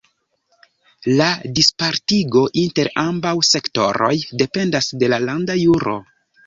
La dispartigo inter ambaŭ sektoroj dependas de la landa juro.